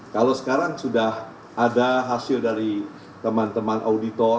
kalau sekarang sudah ada hasil dari teman teman auditor